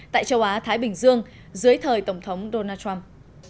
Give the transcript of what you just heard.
tại châu á thái bình dương dưới thời tổng thống donald trump